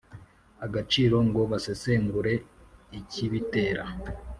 agaciro ngo basesengure ikibitera